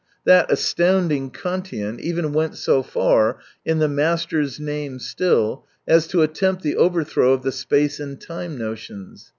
That astounding Kantian even went so far, in the master's name still, as to attempt the overthrow of the space and time notions.